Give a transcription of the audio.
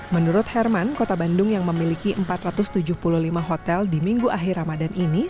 menurut herman kota bandung yang memiliki empat ratus tujuh puluh lima hotel di minggu akhir ramadan ini